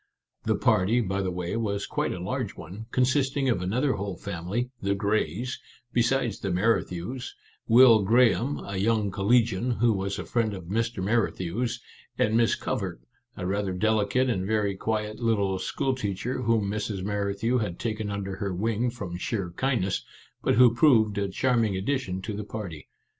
The party, by the way, was quite a large one, consisting of another whole family (the Greys) besides the Merrithews, Will Graham, a young collegian who was a friend of Mr. Merrithew's, and Miss Covert, a rather delicate and very quiet little school teacher whom Mrs. Merri thew had taken under her wing from sheer kindness, but who proved a charming addition to the party.